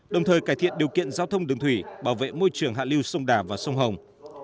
đồng thời cải thiện điều kiện giao thông đường thủy bảo vệ môi trường hạ lưu sông đà và sông hồng